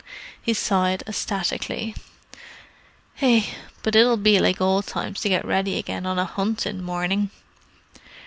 He sighed ecstatically. "Eh, but it'll be like old times to get ready again on a hunting morning!"